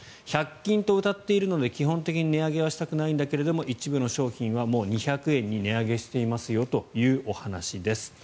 １００均とうたっているので基本的に値上げはしたくないんですが一部の商品はもう２００円に値上げしていますよというお話です。